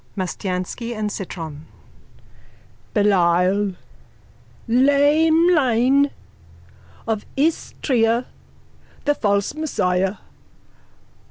_ MASTIANSKY AND CITRON: Belial! Laemlein of Istria, the false Messiah!